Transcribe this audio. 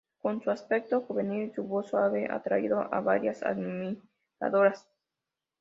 Con su aspecto juvenil y su voz suave, atraído a varias admiradoras.